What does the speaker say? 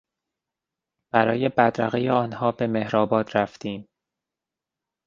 برای بدرقهی آنها به مهرآباد رفتیم.